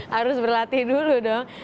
harus berlatih dulu dong